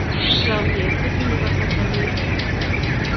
Chomnyet kotinyei kasartanyi.